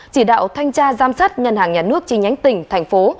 chỉ đạo thanh tra giám sát ngân hàng nhà nước chi nhánh tỉnh thành phố